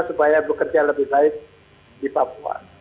supaya bekerja lebih baik di papua